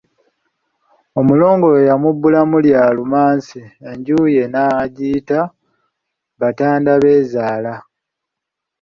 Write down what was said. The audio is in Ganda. Omulongo we yamubbulamu Iya Lumansi, enju ye n'agiyita Batandabeezaala.